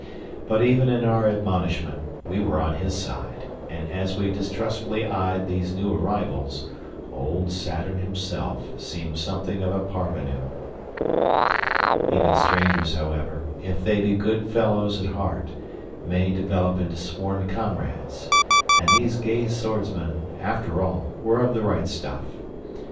But even in our admonishment we were on his side; and as we distrustfully eyed these new arrivals, old Saturn himself seemed something of a parvenu. Even strangers, however, we may develop into sworn comrades; and these gay swordsmen, after all, were of the right stuff.